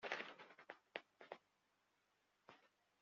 Lbulis ufin imekreḍ d manayu.